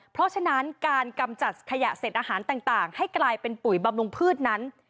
เพราะฉะนั้นการกำจัดขยะเสร็จอาหารต่างให้กลายเป็นปุ๋ยบำรุงพืชนั้น